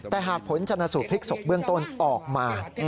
แต่หากผลชนสูตรพลิกศพเบื้องต้นออกมา